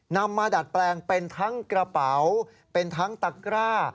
มาดัดแปลงเป็นทั้งกระเป๋าเป็นทั้งตะกร้า